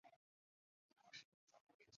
是中国技术经济学奠基人。